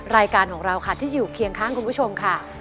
รายการของเราค่ะที่อยู่เคียงข้างคุณผู้ชมค่ะ